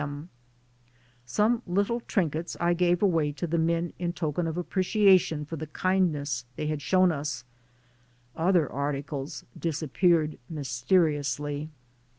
94 THE SOUL OF AN IMMIGRANT Some little trinkets I gave away to the men in token of appreciation of the kindness they had shown us ; other articles disappeared mysteriously.